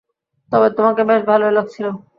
তবে তোমাকে বেশ ভালোই লাগছে।